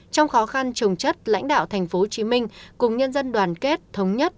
trong khó khăn trồng chất lãnh đạo tp hcm cùng nhân dân đoàn kết thống nhất